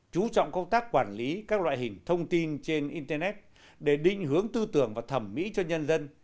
chú trọng công tác quản lý các loại hình thông tin trên internet để định hướng tư tưởng và thẩm mỹ cho nhân dân